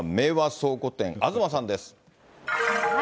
倉庫店、東さんです。